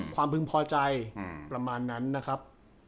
พึงพอใจประมาณนั้นนะครับ